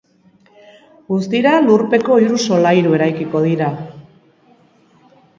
Guztira lurpeko hiru solairu eraikiko dira.